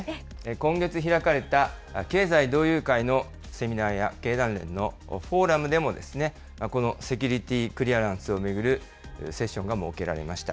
今月開かれた経済同友会のセミナーや経団連のフォーラムでも、このセキュリティークリアランスを巡るセッションが設けられました。